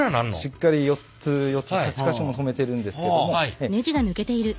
しっかり４つ８か所も留めてるんですけども。